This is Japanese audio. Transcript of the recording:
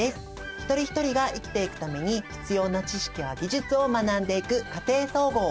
一人一人が生きていくために必要な知識や技術を学んでいく「家庭総合」。